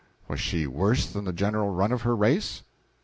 Was she worse than the general run of her race?